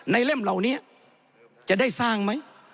เล่มเหล่านี้จะได้สร้างไหม